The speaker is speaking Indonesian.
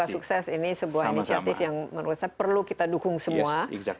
sukses ini sebuah inisiatif yang menurut saya perlu kita dukung semua